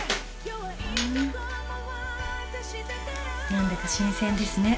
何だか新鮮ですね。